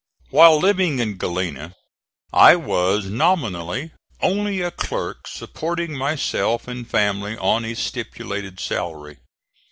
While living in Galena I was nominally only a clerk supporting myself and family on a stipulated salary.